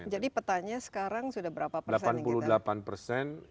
jadi petanya sekarang sudah berapa persen nih kita